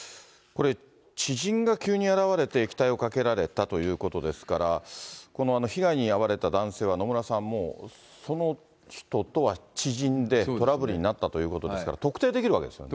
知人が急に現れて液体をかけられたということですから、この被害に遭われた男性は野村さん、その人とは知人で、トラブルになったということですから、特定できるわけですよね。